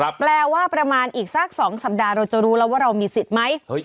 แปลว่าประมาณอีกสัก๒สัปดาห์เราจะรู้แล้วว่าเรามีสิทธิ์ไหม